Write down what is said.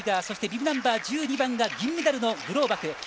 そしてビブナンバー１２番が銀メダルのグローバク。